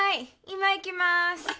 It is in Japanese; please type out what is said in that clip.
今行きます。